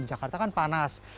di jakarta kan panas